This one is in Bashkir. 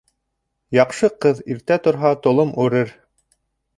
Яҡшы ҡыҙ иртә торһа, толом үрер